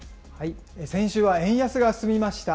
先週は円安が進みました。